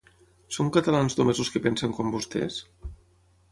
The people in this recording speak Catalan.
Són catalans només els que pensen com vostès?